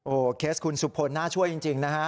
โอ้โหเคสคุณสุพลน่าช่วยจริงนะฮะ